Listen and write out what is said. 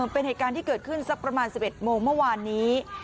เป็นเหตุการณ์ที่เกิดขึ้นสักประมาณ๑๑โมงเมื่อวานนี้